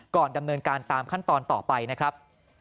ดำเนินการตามขั้นตอนต่อไปนะครับ